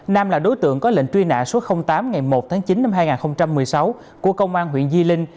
nam là đối tượng có lệnh truy nã số tám ngày một tháng chín năm hai nghìn một mươi sáu của công an huyện di linh